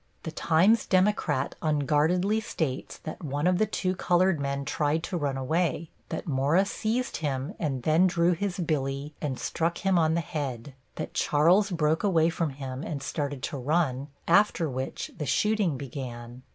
The Times Democrat unguardedly states that one of the two colored men tried to run away; that Mora seized him and then drew his billy and struck him on the head; that Charles broke away from him and started to run, after which the shooting began.